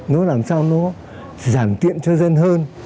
nó làm sao nó giảm tiện cho dân hơn